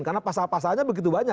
karena pasal pasalnya begitu banyak